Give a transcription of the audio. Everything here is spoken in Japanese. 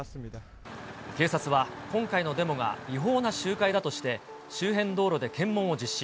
警察は今回のデモが違法な集会だとして、周辺道路で検問を実施。